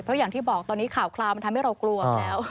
เพราะอย่างที่บอกตอนนี้ข่าวคราวมันทำให้เรากลัวแล้ว